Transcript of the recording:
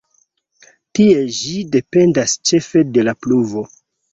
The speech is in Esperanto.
Tie ĝi dependas ĉefe de la pluvo.